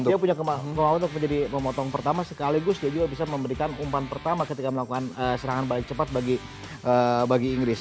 dia punya kemampuan untuk menjadi pemotong pertama sekaligus dia juga bisa memberikan umpan pertama ketika melakukan serangan balik cepat bagi inggris